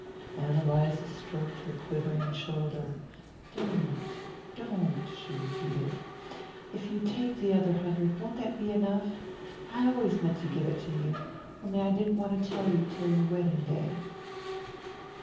Ann Eliza stroked her quivering shoulder. "Don't, don't," she repeated. "If you take the other hundred, won't that be enough? I always meant to give it to you. On'y I didn't want to tell you till your wedding day."